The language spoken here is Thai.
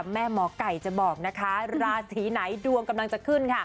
หมอไก่จะบอกนะคะราศีไหนดวงกำลังจะขึ้นค่ะ